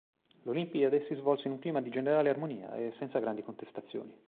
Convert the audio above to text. L'Olimpiade si svolse in un clima di generale armonia e senza grandi contestazioni.